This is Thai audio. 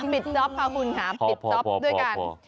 จ๊อปค่ะคุณค่ะปิดจ๊อปด้วยกัน